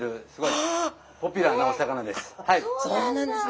そうなんですね。